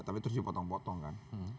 tapi terus dipotong potong kan